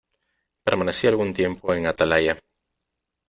permanecí algún tiempo en atalaya .